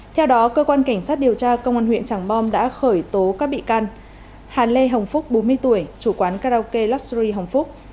theo đó cơ quan cảnh sát điều tra công an huyện tràng bom đã khởi tố các bị can hà lê hồng phúc bốn mươi tuổi chủ quán karaoke luxury hồng phúc